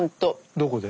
どこで？